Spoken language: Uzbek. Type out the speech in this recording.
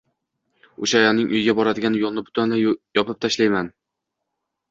O`sha ayolning uyiga boradigan yo`lni butunlay yopib tashlayman